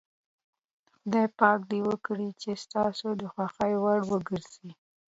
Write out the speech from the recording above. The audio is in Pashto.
خدای پاک دې وکړي چې ستاسو د خوښې وړ وګرځي.